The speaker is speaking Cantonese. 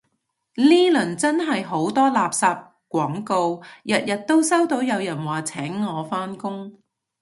呢輪真係好多垃圾廣告，日日都收到有人話請我返工